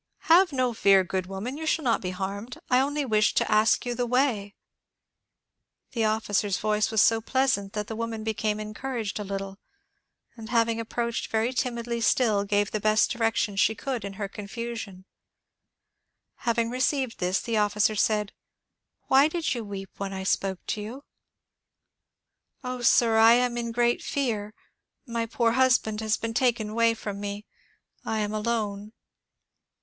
'^ Have no fear, good woman ; you shall not be harmed ; I only wish to ask you the way." The officer*s voice was so pleasant that the woman became encouraged a little, and having approached very timidly still, gave the best direction she could in her confusion* Having received this, the officer said :*^ Why did you weep when I spoke to you ?" 230 MONCURE DANIEL CONWAY *^ Oh, sir, I am in great fear ; my poor husband has been taken away from me ; I am alone."